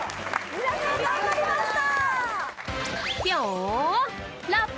皆さん頑張りました！